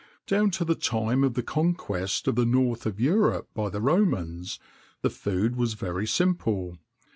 [XXIX 73] Down to the time of the conquest of the north of Europe by the Romans, the food was very simple.